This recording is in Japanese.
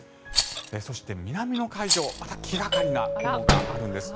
そして、南の海上また気掛かりな雲があるんです。